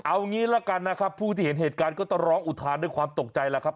เอางี้ละกันนะครับผู้ที่เห็นเหตุการณ์ก็ต้องร้องอุทานด้วยความตกใจแล้วครับ